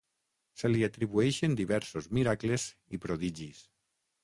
Se li atribueixen diversos miracles i prodigis.